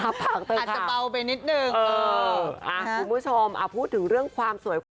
ทับผักเถอะค่ะเออคุณผู้ชมพูดถึงเรื่องความสวยความสวย